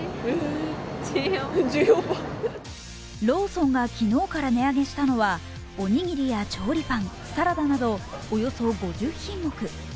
ローソンが昨日から値上げしたのはおにぎりや調理パン、サラダなどおよそ５０品目。